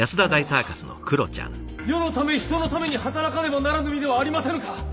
われらは世のため人のために働かねばならぬ身ではありませぬか！